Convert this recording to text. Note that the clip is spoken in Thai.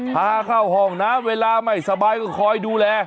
พาเข้าห้องน้ำเวลาไม่สบายก็คอยดูแล